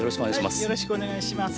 よろしくお願いします。